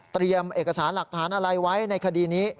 เอกสารหลักฐานอะไรไว้ในคดีนี้